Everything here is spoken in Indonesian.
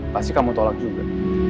pasti kamu tolak juga